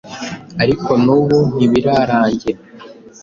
ariko n'ubu ntibirarangira.